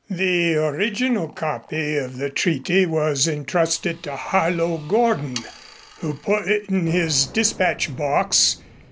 The original copy of the treaty was entrusted to Harlow Gorden, who put it in his dispatch box.